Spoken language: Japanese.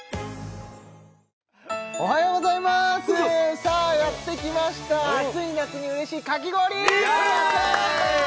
おはようございますさあやってきました暑い夏にうれしいかき氷！よ